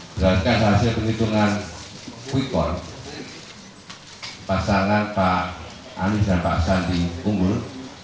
berdasarkan hasil penghitungan quick count pasangan pak anies dan pak sandi unggul